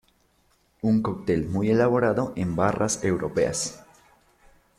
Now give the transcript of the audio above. Un cóctel muy elaborado en barras europeas.